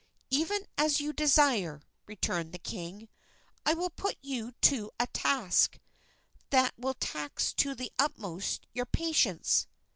"Even as you desire," returned the king, "I will put you to a task that will tax to the utmost your patience."